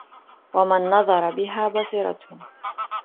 وَمَنْ نَظَرَ بِهَا بَصِرَتْهُ